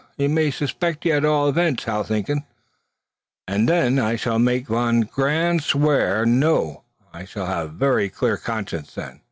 He may suspect ye at all evints. How thin?" "Ah! then, n'importe. I sall make von grand swear. No! I sall have ver clear conscience then."